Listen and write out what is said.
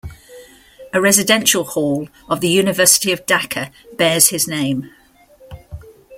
A residential hall of the University of Dhaka bears his name.